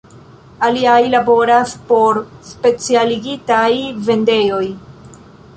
Aliaj laboras por specialigitaj vendejoj.